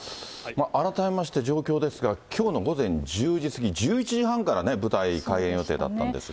改めまして状況ですが、きょうの午前１０時過ぎ、１１時半から舞台開演予定だったんですが。